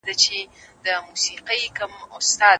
که شننه وشي نو حل روښانه کیږي.